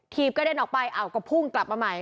ทีบก็เด้นออกไปอ่าวก็พุ่งกลับมาใหม่